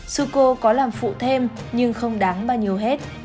sư cô có làm phụ thêm nhưng không đáng bao nhiêu hết